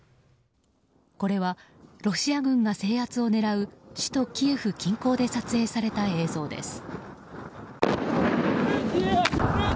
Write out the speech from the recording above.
これはロシア軍が制圧を狙う首都キエフ近郊で撮影された映像です。